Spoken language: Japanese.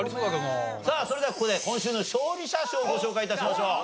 それではここで今週の勝利者賞をご紹介致しましょう。